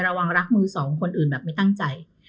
ระวังรักมือสองคนอื่นแบบไม่ตั้งใจ